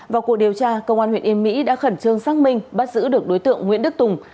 vào cuộc điều tra công an huyện yên mỹ đã khẩn trương xác minh bắt giữ được đối tượng nguyễn đức tùng